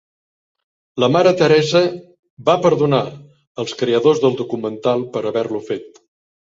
La Mare Teresa "va perdonar" els creadors del documental per haver-lo fet.